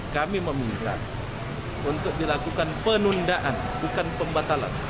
kami meminta untuk dilakukan penundaan bukan pembatalan